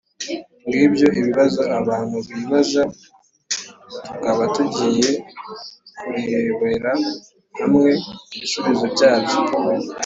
ngibyo ibibazo abantu bibaza, tukaba tugiye kurebera hamwe ibisubizo byabyo.